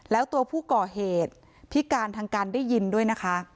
แล้วตัวผู้ก่อเหตุพิการทางการได้ยินด้วยนะคะ